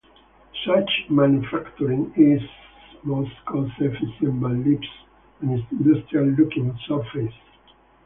Such manufacturing is most cost efficient but leaves an industrial looking surface.